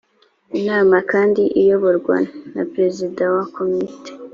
inama kandi ikayoborwa na perezida wa komite